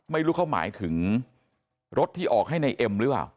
ไม่รู้เขาหมายถึงรถที่ออกให้ในเอ็มหรือเปล่า